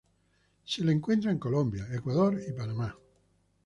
Se la encuentra en Colombia, Ecuador, y Panamá.